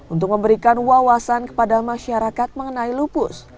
untuk memberikan wawasan kepada masyarakat mengenai lupus